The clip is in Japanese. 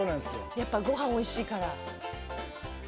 やっぱご飯おいしいから。